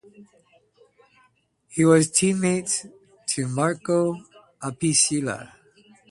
He was team-mates to Marco Apicella.